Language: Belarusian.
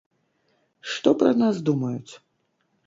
Што пра нас думаюць?